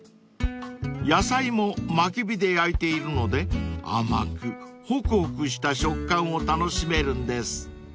［野菜もまき火で焼いているので甘くホクホクした食感を楽しめるんです］